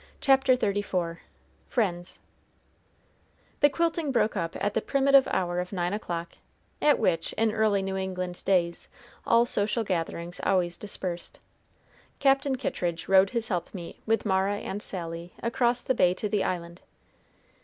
CHAPTER XXXIV FRIENDS The quilting broke up at the primitive hour of nine o'clock, at which, in early New England days, all social gatherings always dispersed. Captain Kittridge rowed his helpmeet, with Mara and Sally, across the Bay to the island.